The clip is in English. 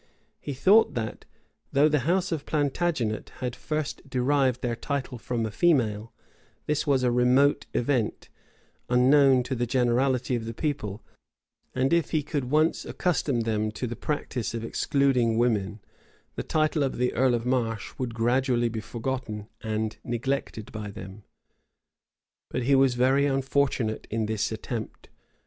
He thought that, though the house of Plantagenet had at first derived their title from a female, this was a remote event, unknown to the generality of the people; and if he could once accustom them to the practice of excluding women, the title of the earl of Marche would gradually be forgotten and neglected by them. But he was very unfortunate in this attempt.